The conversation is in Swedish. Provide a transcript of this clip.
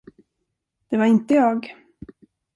Det var inte jag.